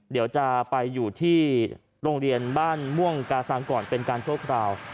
เดี๋ยวจะไปอยู่ที่โรงเรียนบ้านม่วงกาซังก่อนเป็นการชั่วคราว